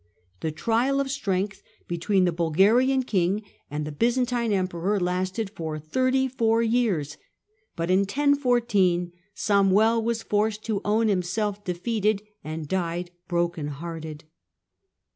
The trial of strength between the Bulgarian king and the Byzantine Emperor lasted for thirty four years, but in 1014 Samuel was forced to own himself defeated, and died broken hearted.